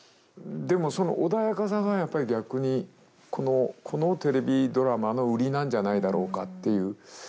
でもその穏やかさがやっぱり逆にこのテレビドラマの売りなんじゃないだろうかっていう。